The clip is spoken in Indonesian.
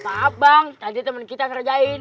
abang tadi temen kita kerjain